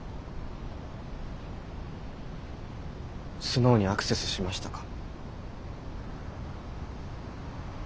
スノウにアクセスしましたか？